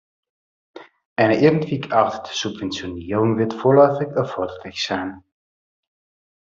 Eine irgendwie geartete Subventionierung wird vorläufig erforderlich sein.